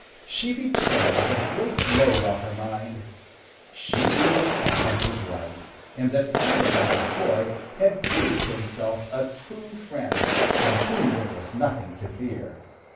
She returned with a great load off her mind. She knew that Bob was right, and that Fanner Brown's boy had proved himself a true friend from whom there was nothing to fear.